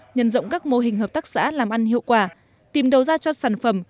nhân rộng các mô hình hợp tác xã làm ăn hiệu quả tìm đầu ra cho sản phẩm